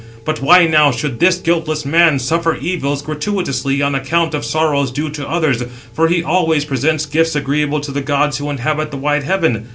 But why now should this guiltless 663 man suffer evils gratuitously, on account of sorrows due to others, for he always presents gifts agreeable to the gods who inhabit the wide heaven?